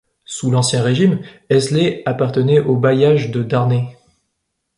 Sous l'Ancien Régime, Esley appartenait au bailliage de Darney.